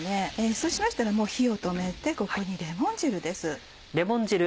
そうしましたら火を止めてここにレモン汁です。